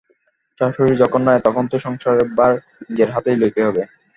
শাশুড়ি যখন নাই তখন তো সংসারের ভার নিজের হাতেই লইতে হইবে।